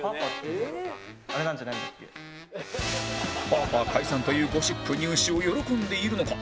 パーパー解散というゴシップ入手を喜んでいるのか？